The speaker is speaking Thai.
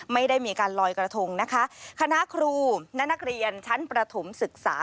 ไม่ได้มีการลอยกระทงนะคะคณะครูและนักเรียนชั้นประถมศึกษา